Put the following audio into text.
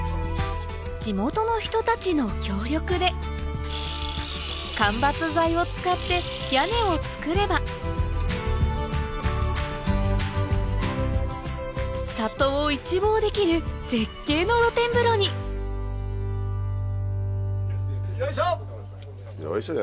地元の人たちの協力で間伐材を使って屋根を造れば里を一望できる絶景の露天風呂によいしょ！